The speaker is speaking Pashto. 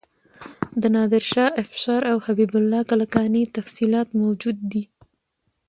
د نادر شاه افشار او حبیب الله کلکاني تفصیلات موجود دي.